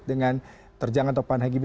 dengan terjangan topan hgb